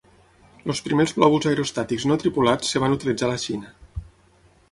Els primers globus aerostàtics no tripulats es van utilitzar a la Xina.